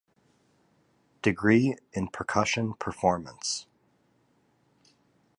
Degree in percussion performance.